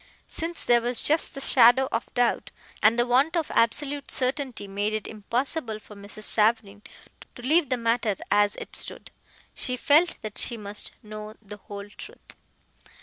Since there was just the shadow of doubt, and the want of absolute certainty, made it impossible for Mrs. Savareen to leave the matter as it stood. She felt that she must know the whole truth.